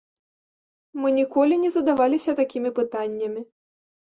Мы ніколі не задаваліся такімі пытаннямі.